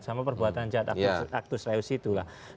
sama perbuatan jahat aktus laos itu lah